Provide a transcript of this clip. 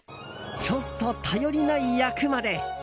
ちょっと頼りない役まで。